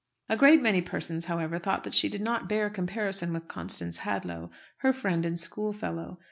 A great many persons, however, thought she did not bear comparison with Constance Hadlow, her friend and schoolfellow.